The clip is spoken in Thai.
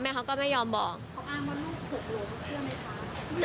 เขาก็ไม่ยอมบอกเขาอ้างว่าลูกถูกล้มเชื่อไหมคะ